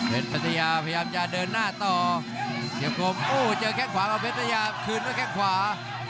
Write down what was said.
เป็นปัญญาพยายามจะเดินหน้าต่อเจอแค่งขวากับเป็นปัญญาคืนก็แค่งขวา